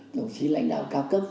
đồng chí lãnh đạo cao cấp